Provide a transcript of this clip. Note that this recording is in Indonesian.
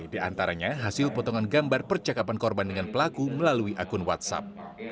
di antaranya hasil potongan gambar percakapan korban dengan pelaku melalui akun whatsapp